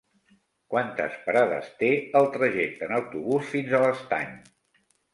Quantes parades té el trajecte en autobús fins a l'Estany?